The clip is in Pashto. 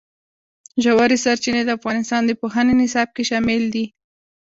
ژورې سرچینې د افغانستان د پوهنې نصاب کې شامل دي.